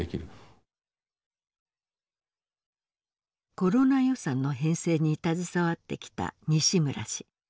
コロナ予算の編成に携わってきた西村氏。